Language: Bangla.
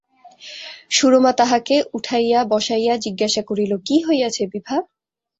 সুরমা তাহাকে উঠাইয়া বসাইয়া জিজ্ঞাসা করিল, কী হইয়াছে, বিভা?